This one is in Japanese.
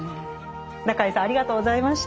中江さんありがとうございました。